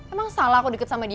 emang salah aku dekat sama dia